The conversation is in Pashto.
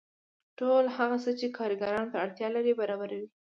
ټول هغه څه چې کارګران ورته اړتیا لري برابروي